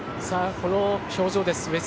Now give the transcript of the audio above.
この表情です、上杉。